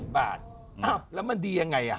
บาทแล้วมันดียังไง